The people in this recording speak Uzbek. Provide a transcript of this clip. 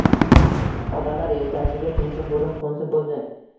Odamlar yelkasiga chumchuq bo‘lib qo‘nsa bo‘ldi...